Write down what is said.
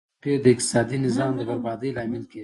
دا توپیر د اقتصادي نظام د بربادۍ لامل کیږي.